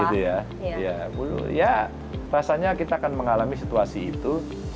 gitu ya ya rasanya kita akan mengalami situasi itu